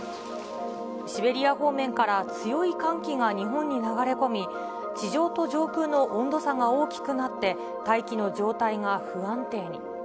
シベリア方面から強い寒気が日本に流れ込み、地上と上空の温度差が大きくなって、大気の状態が不安定に。